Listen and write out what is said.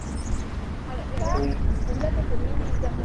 Kuung.